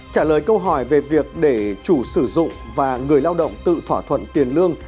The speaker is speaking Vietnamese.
trả lời câu hỏi về việc để chủ sử dụng và người lao động tự thỏa thuận tiền lương